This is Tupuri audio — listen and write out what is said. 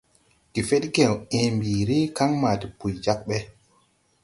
Gefedgew ęę mbiiri, kan maa depuy jāg ɓe.